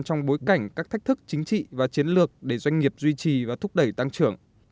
trong bối cảnh các thách thức chính trị và chiến lược để doanh nghiệp duy trì và thúc đẩy tăng trưởng